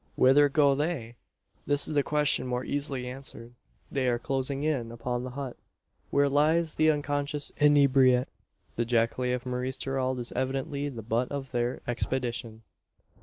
Whither go they? This is a question more easily answered. They are closing in upon the hut, where lies the unconscious inebriate. The jacale of Maurice Gerald is evidently the butt of their expedition.